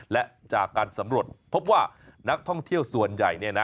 และจากการสำรวจพบว่านักท่องเที่ยวส่วนใหญ่